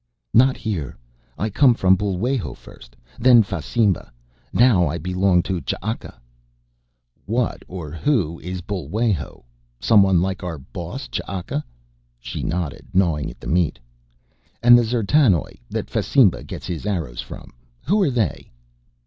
"Not here. I come from Bul'wajo first, then Fasimba, now I belong to Ch'aka." "What or who is Bul'wajo? Someone like our boss Ch'aka?" She nodded, gnawing at the meat. "And the D'zertanoj that Fasimba gets his arrows from who are they?"